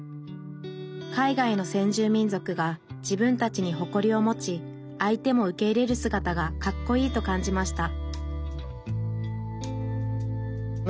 海外の先住民族が自分たちに誇りを持ち相手も受け入れるすがたがかっこいいと感じました